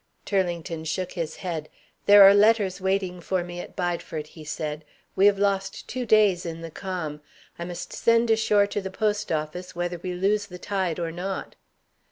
Turlington shook his head. "There are letters waiting for me at Bideford," he said. "We have lost two days in the calm. I must send ashore to the post office, whether we lose the tide or not."